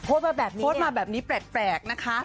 โพสต์มาแบบนี้โพสต์มาแบบนี้แปลกนะคะ